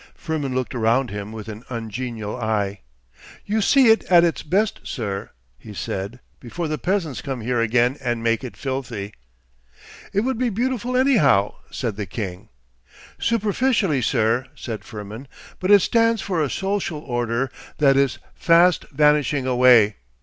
Firmin looked around him with an ungenial eye. 'You see it at its best, sir,' he said, 'before the peasants come here again and make it filthy.' 'It would be beautiful anyhow,' said the king. 'Superficially, sir,' said Firmin. 'But it stands for a social order that is fast vanishing away.